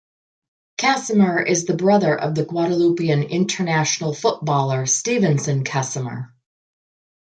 Casimir is the brother of the Guadeloupean international footballer Stevenson Casimir.